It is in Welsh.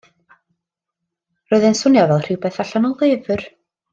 Roedd e'n swnio fel rhywbeth allan o lyfr.